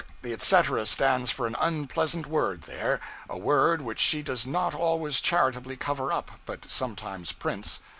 The 'etc.' stands for an unpleasant word there, a word which she does not always charitably cover up, but sometimes prints.